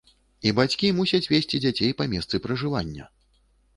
І бацькі мусяць весці дзяцей па месцы пражывання.